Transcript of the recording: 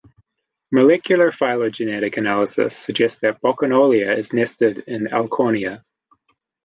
Molecular phylogenetic analyses suggest that "Bocquillonia" is nested in "Alchornea".